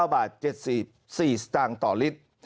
๙บาท๗๔สตางค์ต่อลิตร